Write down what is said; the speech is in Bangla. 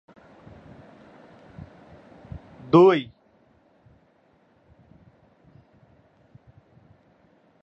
তিনি ‘মরিয়ম মাকানি’ উপাধিতে ভূষিত হয়েছিলেন।